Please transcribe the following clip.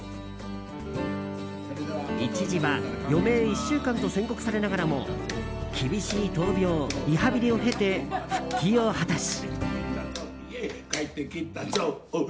一時は余命１週間と宣告されながらも厳しい闘病、リハビリを経て復帰を果たし。